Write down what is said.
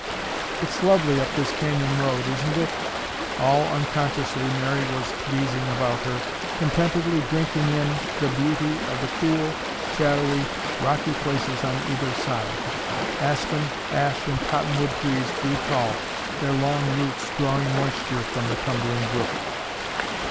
"It's lovely up this canyon road, isn't it?" All unconsciously Mary was gazing about her, contentedly drinking in the beauty of the cool, shadowy, rocky places on either side. Aspen, ash and cottonwood trees grew tall, their long roots drawing moisture from the tumbling brook.